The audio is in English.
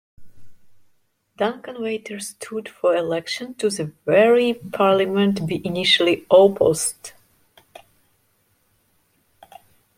Duncan later stood for election to the very parliament he initially opposed.